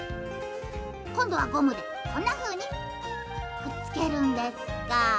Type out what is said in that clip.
こんどはゴムでこんなふうにくっつけるんですか。